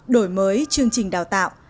đổi mới chương trình đào tạo